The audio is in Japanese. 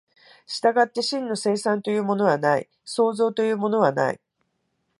従って真の生産というものはない、創造というものはない。